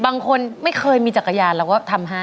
บางคนไม่เคยมีจักรยานแล้วว่าทำให้